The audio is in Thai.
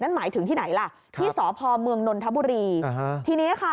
หมายถึงที่ไหนล่ะที่สพเมืองนนทบุรีทีนี้ค่ะ